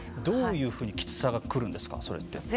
どういうふうにきつさがくるんですか、それって。